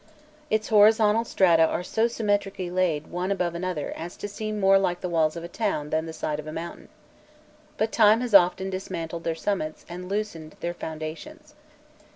Its horizontal strata are so symmetrically laid one above another as to seem more like the walls of a town than the side of a mountain. But time has often dismantled their summits and loosened their foundations.